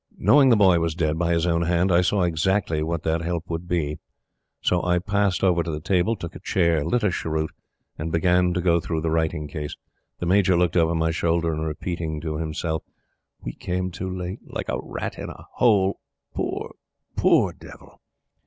Knowing The Boy was dead by his own hand, I saw exactly what that help would be, so I passed over to the table, took a chair, lit a cheroot, and began to go through the writing case; the Major looking over my shoulder and repeating to himself: "We came too late! Like a rat in a hole! Poor, POOR devil!"